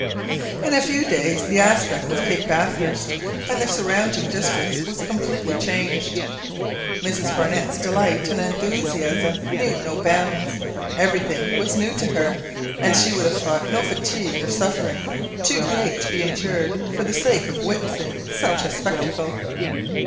In a few days the aspect of Cape Bathurst and the surrounding districts was completely changed. Mrs Barnett's delight and enthusiasm knew no bounds; everything was new to her, and she would have thought no fatigue or suffering too great to be endured for the sake of witnessing such a spectacle.